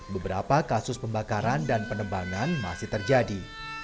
beberapa kasus pembakaran dan penebangan masih terjadi